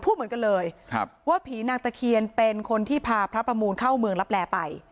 พูดเหมือนกันเลยว่าผีนางตะเคียนเป็นคนที่พาพระประมูลเข้าเมืองลับแลไป